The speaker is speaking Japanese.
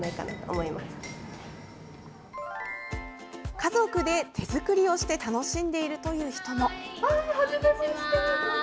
家族で手作りをして楽しんでいるという人も。